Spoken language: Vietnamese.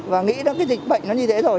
và nghĩ đó cái dịch bệnh nó như thế rồi